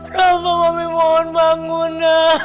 rafa mami mohon bangun